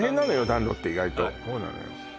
暖炉って意外とそうなのよ